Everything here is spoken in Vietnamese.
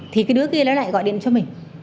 thì cái đứa kia nó lại gọi điện cho mình